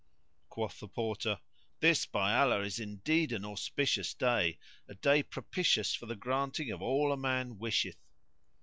Quoth the Porter, "This, by Allah, is indeed an auspicious day, a day propitious for the granting of all a man wisheth."